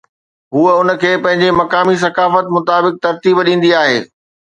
هوءَ ان کي پنهنجي مقامي ثقافت مطابق ترتيب ڏيندي آهي.